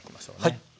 はい。